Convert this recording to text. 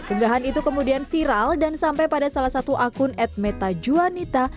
unggahan itu kemudian viral dan sampai pada salah satu akun ad meta juanita